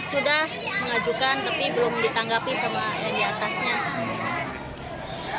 sudah mengajukan tapi belum ditanggapi sama yang diatasnya